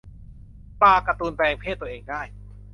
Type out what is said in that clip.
ปลาการ์ตูน แปลงเพศตัวเองได้